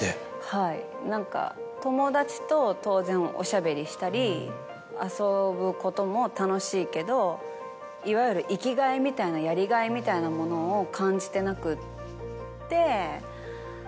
はい何か友達と当然おしゃべりしたり遊ぶことも楽しいけどいわゆる生きがいみたいなやりがいみたいなものを感じてなくって。